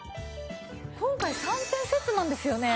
今回３点セットなんですよね。